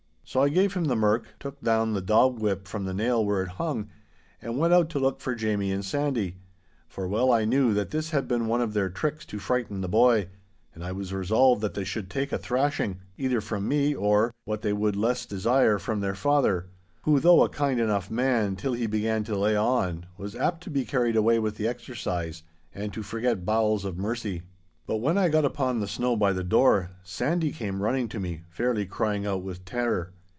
So I gave him the merk, took down the dog whip from the nail where it hung, and went out to look for Jamie and Sandy—for well I knew that this had been one of their tricks to frighten the boy, and I was resolved that they should take a thrashing, either from me or, what they would less desire, from their father—who, though a kind enough man till he began to lay on, was apt to be carried away with the exercise, and to forget bowels of mercy. But when I got upon the snow by the door, Sandy came running to me, fairly crying out with terror.